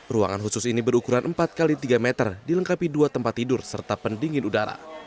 ruangan khusus ini berukuran empat x tiga meter dilengkapi dua tempat tidur serta pendingin udara